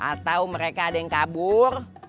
atau mereka ada yang kabur